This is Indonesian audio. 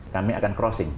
kami akan crossing